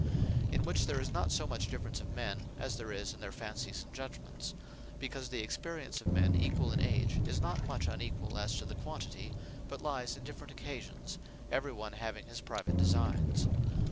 In which there is not so much difference of Men, as there is in their Fancies and Judgements; Because the Experience of men equall in age, is not much unequall, as to the quantity; but lyes in different occasions; every one having his private designes.